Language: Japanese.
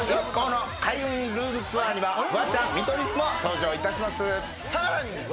開運ルームツアーには、フワちゃん、見取り図も登場します。